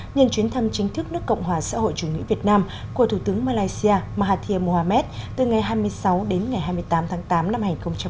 nhân chuyến thăm chính thức nước cộng hòa xã hội chủ nghĩa việt nam của thủ tướng malaysia mahathir mohamed từ ngày hai mươi sáu đến ngày hai mươi tám tháng tám năm hai nghìn một mươi chín